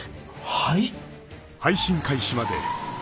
はい？